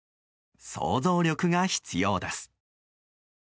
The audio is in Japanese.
想像力が必要です。